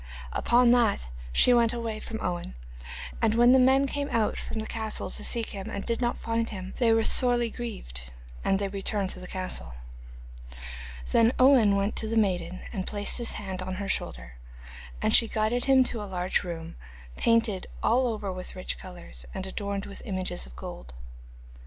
Upon that she went away from Owen, and when the men came out from the castle to seek him and did not find him they were sorely grieved, and they returned to the castle. Then Owen went to the maiden and placed his hand on her shoulder, and she guided him to a large room, painted all over with rich colours, and adorned with images of gold.